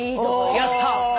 やった。